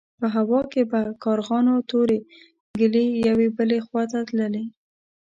په هوا کې به د کارغانو تورې ګلې يوې بلې خوا ته تللې.